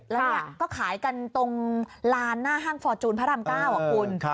แล้วเนี่ยก็ขายกันตรงลานหน้าห้างฟอร์จูนพระราม๙คุณ